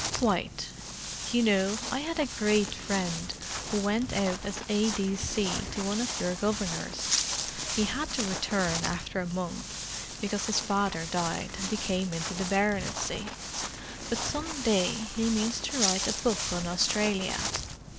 "Quite. You know, I had a great friend who went out as A.D.C. to one of your Governors. He had to return after a month, because his father died and he came into the baronetcy, but some day he means to write a book on Australia.